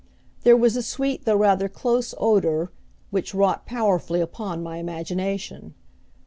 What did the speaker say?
There was a sweet though rather close odor, which wrought powerfully upon my imagination.